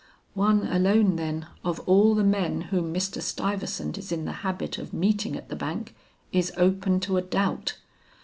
One alone, then, of all the men whom Mr. Stuyvesant is in the habit of meeting at the Bank, is open to a doubt.